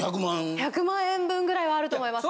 １００万円分ぐらいはあると思います。